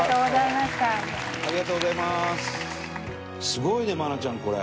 すごいね愛菜ちゃんこれ。